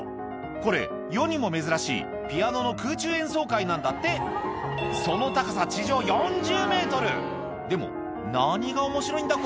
これ世にも珍しいピアノの空中演奏会なんだってその高さでも何が面白いんだ？